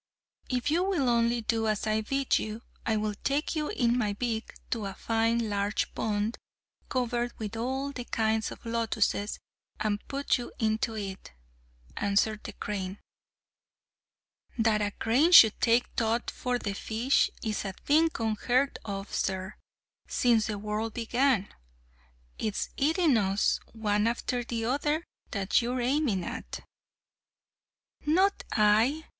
"If you will only do as I bid you, I will take you in my beak to a fine large pond, covered with all the kinds of lotuses, and put you into it," answered the crane. "That a crane should take thought for the fishes is a thing unheard of, sir, since the world began. It's eating us, one after the other, that you're aiming at." "Not I!